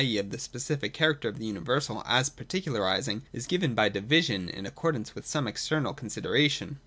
e. of the specific character of the universal as particularising, is given by Division in accordance with some external consideration.